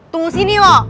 tunggu sini lo